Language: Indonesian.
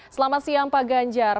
selamat siang pak ganjar